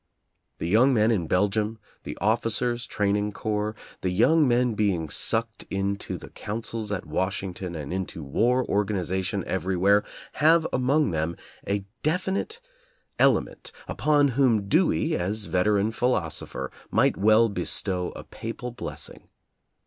The young men in Belgium, the officers' training corps, the young men being sucked into the coun cils at Washington and into war organization everywhere, have among them a definite element, upon whom Dewey, as veteran philosopher, might well bestow a papal blessing.